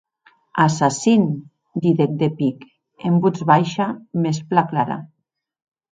Assassin, didec de pic, en votz baisha mès plan clara.